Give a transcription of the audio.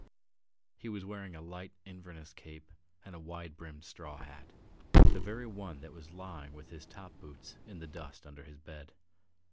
He was wearing a light Inverness cape and a wide brimmed straw hat, the very one that was lying with his top boots in the dust under his bed.